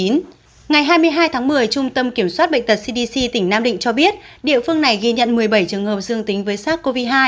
ngày hai mươi hai tháng một mươi trung tâm kiểm soát bệnh tật cdc tỉnh nam định cho biết địa phương này ghi nhận một mươi bảy trường hợp dương tính với sars cov hai